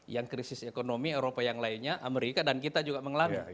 yang krisis ekonomi eropa yang lainnya amerika dan kita juga mengalami